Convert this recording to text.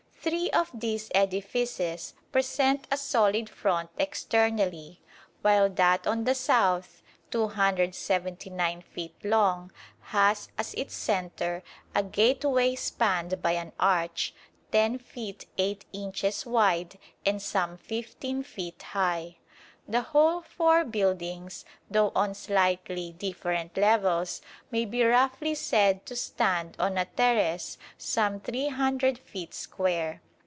Three of these edifices present a solid front externally, while that on the south, 279 feet long, has as its centre a gateway spanned by an arch, 10 feet 8 inches wide and some 15 feet high. The whole four buildings, though on slightly different levels, may be roughly said to stand on a terrace some 300 feet square.